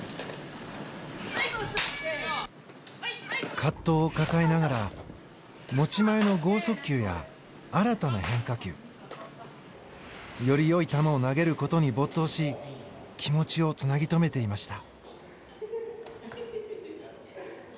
葛藤を抱えながら持ち前の豪速球や新たな変化球より良い球を投げる事に没頭し気持ちを繋ぎ止めていました。